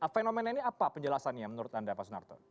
fenomena ini apa penjelasannya menurut anda pak sunarto